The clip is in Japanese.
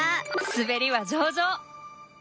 滑りは上々！